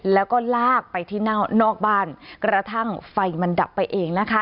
แล้วก็ลากไปที่นอกบ้านกระทั่งไฟมันดับไปเองนะคะ